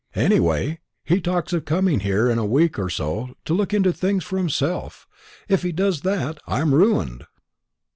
Any way, he talks of coming here in a week or so to look into things for himself. If he does that, I'm ruined."